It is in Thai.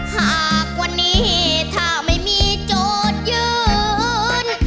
หากวันนี้ถ้าไม่มีโจทย์ยืน